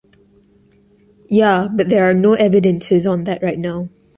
Ya! But there are no evidences on that right now.